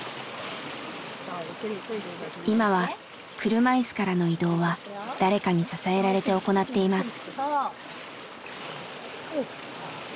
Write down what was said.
今は車いすからの移動は誰かに支えられて行っています。